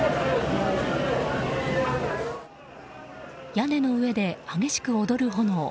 屋根の上で激しく踊る炎。